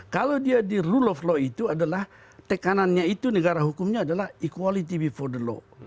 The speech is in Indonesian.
kalau dia di rule of law itu adalah tekanannya itu negara hukumnya adalah equality before the law